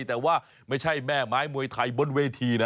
แต่ว่าไม่ใช่แม่ไม้มวยไทยบนเวทีนะ